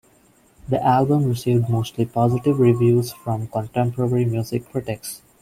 The album received mostly positive reviews from contemporary music critics.